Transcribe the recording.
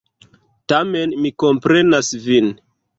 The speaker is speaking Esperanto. Tamen mi komprenas Vin!